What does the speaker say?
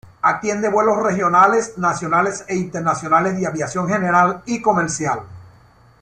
Atiende vuelos regionales, nacionales e internacionales de aviación general y comercial.